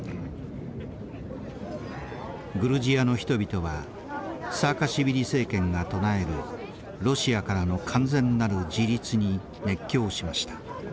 グルジアの人々はサーカシビリ政権が唱えるロシアからの完全なる自立に熱狂しました。